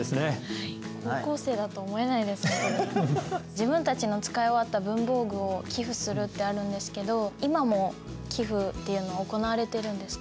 自分たちの使い終わった文房具を寄付するってあるんですけど今も寄付っていうのは行われているんですか？